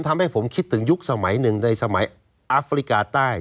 ทำให้ผมคิดถึงยุคสมัยหนึ่งในสมัยอัฟริกาใต้